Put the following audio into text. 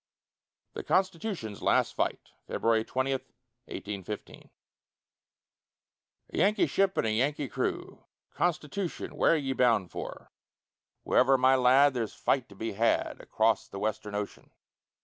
THE CONSTITUTION'S LAST FIGHT [February 20, 1815] A Yankee ship and a Yankee crew Constitution, where ye bound for? Wherever, my lad, there's fight to be had Acrost the Western ocean.